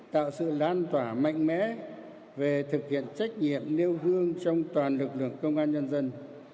tạo sự lan tỏa mạnh mẽ về thực hiện trách nhiệm nêu gương trong toàn lực lượng công an nhân dân